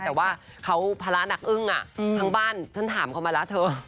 แต่ว่าเขาภาระหนักอึ้งทั้งบ้านฉันถามเขามาแล้วเธอ